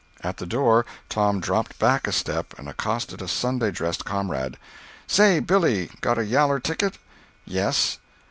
At the door Tom dropped back a step and accosted a Sunday dressed comrade: "Say, Billy, got a yaller ticket?" "Yes."